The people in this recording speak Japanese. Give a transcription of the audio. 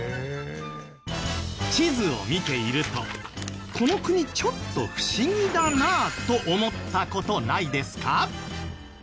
地図を見ているとこの国ちょっと不思議だなと思った事ないですか？